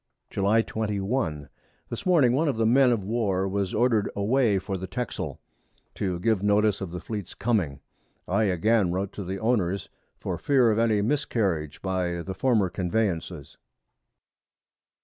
July 21. This Morning one of the Men of War was order'd away for the Texel, to give notice of the Fleet's coming; I again wrote to the Owners, for fear of any Miscarriage by the former Conveyances.